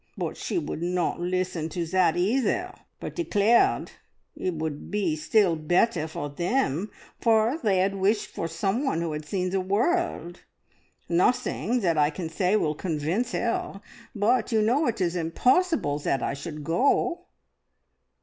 But she would not listen to that either, but declared it would be still better for them, for they had wished for someone who had seen the world. Nothing that I can say will convince her, but you know it is impossible that I should go!"